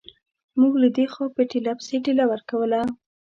موږ له دې خوا په ټېله پسې ټېله ورکوله.